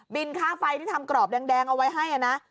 ค่าไฟที่ทำกรอบแดงเอาไว้ให้นะ